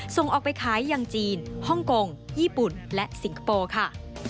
ส่งออกไปขายอย่างจีนฮ่องกงญี่ปุ่นและสิงคโปร์ค่ะ